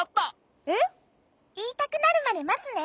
いいたくなるまでまつね。